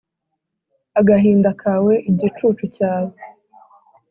agahinda kawe, igicucu cyawe,